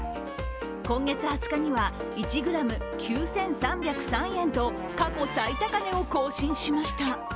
今月２０日には１ｇ９３０３円と過去最高値を更新しました。